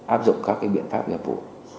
áp dụng các cái biện pháp nhập vụ